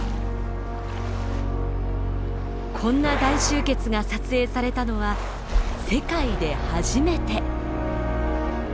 こんな大集結が撮影されたのは世界で初めて。